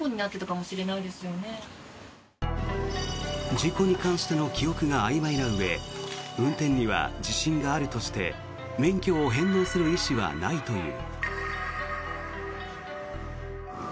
事故に関しての記憶があいまいなうえ運転には自信があるとして免許を返納する意思はないという。